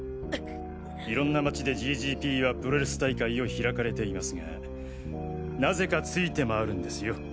いろんな町でＧＧＰはプロレス大会を開かれていますがなぜかついてまわるんですよ。